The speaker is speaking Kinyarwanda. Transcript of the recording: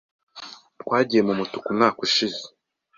Twagiye mumutuku umwaka ushize.